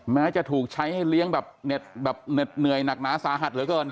แม้จะถูกใช้ให้เลี้ยงแบบเหน็ดเหนื่อยหนักหนาสาหัสเหลือเกิน